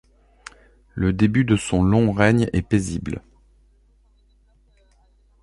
Le début de son long règne est paisible.